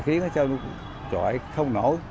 khiến nó cho trọi không nổi